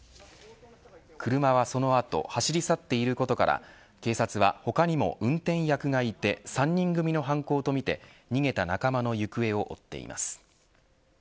車は、その後走り去っていることから警察は他にも運転役がいて３人組の犯行とみて逃げた仲間の行方を追っています。